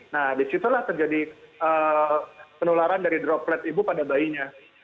nah disitulah terjadi penularan dari droplet ibu pada bayinya